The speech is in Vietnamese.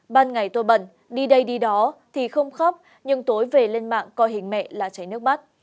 ban ngày tôi bẩn đi đây đi đó thì không khóc nhưng tối về lên mạng coi hình mẹ là cháy nước mắt